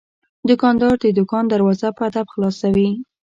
دوکاندار د دوکان دروازه په ادب خلاصوي.